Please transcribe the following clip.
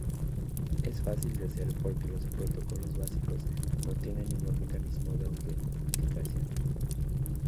Es fácil de hacer porque los protocolos básicos no tienen ningún mecanismo de autenticación.